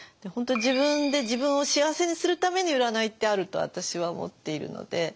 本当自分で自分を幸せにするために占いってあると私は思っているので。